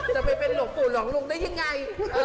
จะไปเป็นหลวงปูหน่อยหลงได้ยังไง